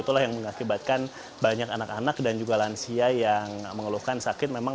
itulah yang mengakibatkan banyak anak anak dan juga lansia yang mengeluhkan sakit memang